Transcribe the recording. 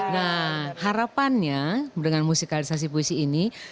nah harapannya dengan musikalisasi puisi ini